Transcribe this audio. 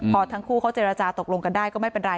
พอทั้งคู่เขาเจรจาตกลงกันได้ก็ไม่เป็นไร